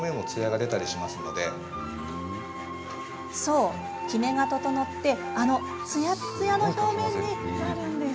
そうきめが整ってあのつやっつやの表面になるんです。